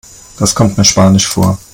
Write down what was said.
Das kommt mir spanisch vor.